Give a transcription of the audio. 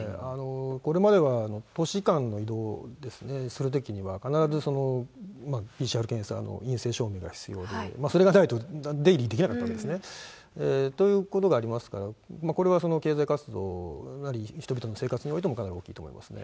これまでは都市間の移動ですね、するときには必ずＰＣＲ検査の陰性証明が必要で、それがないと出入りできなかったわけですね。ということがありますから、これはその経済活動なり、人々の生活においてもかなり大きいと思いますね。